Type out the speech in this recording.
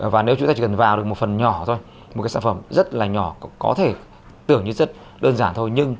và nếu chúng ta chỉ cần vào được một phần nhỏ thôi một cái sản phẩm rất là nhỏ có thể tưởng như rất đơn giản thôi nhưng